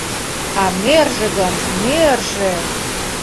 А мӧржӧ гын, мӧржӧ…